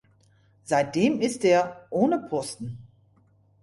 Seitdem ist er ohne Posten.